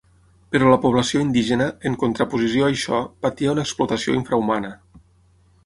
Però la població indígena, en contraposició a això, patia una explotació infrahumana.